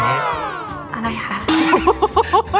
อะไรคะ